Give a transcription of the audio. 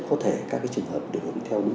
có thể các trường hợp được hướng theo